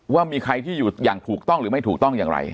ว่ามีใครที่อยู่อย่างถูกต้องหรือไม่ถูกต้องอย่างไร